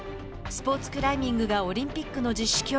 スポーツクライミングがオリンピックの実施